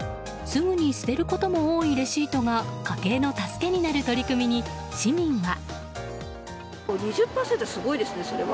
すぐに捨てることも多いレシートが家計の助けになる取り組みに市民は。